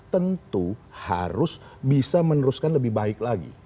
tentu harus bisa meneruskan lebih baik lagi